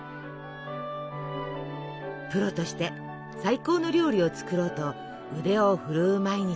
プロとして最高の料理を作ろうと腕を振るう毎日。